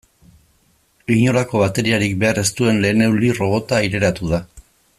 Inolako bateriarik behar ez duen lehen eulirrobota aireratu da.